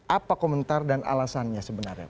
apa komentar dan alasannya sebenarnya